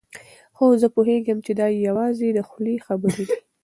خو زه پوهېږم چې دا یوازې د خولې خبرې دي.